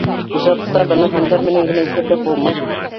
Ижадта быны һандар менән генә иҫәпләп булмай.